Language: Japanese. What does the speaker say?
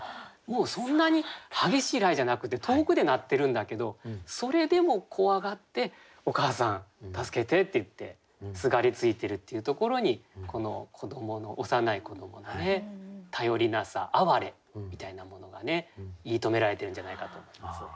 そんなに激しい雷じゃなくて遠くで鳴ってるんだけどそれでも怖がって「お母さん助けて」って言ってすがりついてるっていうところにこの幼い子どもの頼りなさあわれみたいなものがね言いとめられてるんじゃないかと思います。